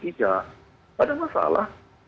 tidak ada masalah